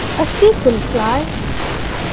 A sequel, Fly!